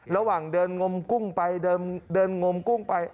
ระหว่างเดินงมกุ้งไปเดินงมกุ้งไป